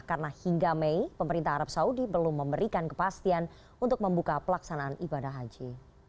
karena hingga mei pemerintah arab saudi belum memberikan kepastian untuk membuka pelaksanaan ibadah haji